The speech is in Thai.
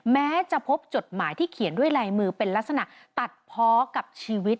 แม้จะพบจดหมายที่เขียนด้วยลายมือเป็นลักษณะตัดเพาะกับชีวิต